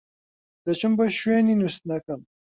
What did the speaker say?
دەچم بۆ شوێنی نوستنەکەم.